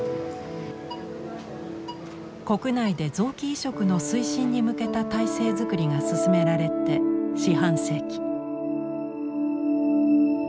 国内で臓器移植の推進に向けた体制作りが進められて四半世紀。